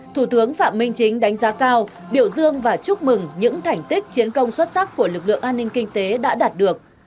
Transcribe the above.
thủ tướng phạm minh chính đánh giá cao biểu dương và chúc mừng những thành tích chiến công xuất sắc của lực lượng an ninh kinh tế đã đạt được